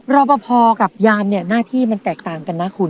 รอปภกับยามเนี่ยหน้าที่มันแตกต่างกันนะคุณ